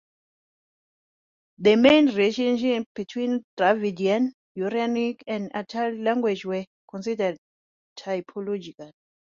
The main relationships between Dravidian, Uralic, and Altaic languages were considered typological.